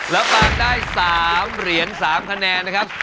แล้วปานได้๓เหรียญ๓คะแนนนะครับ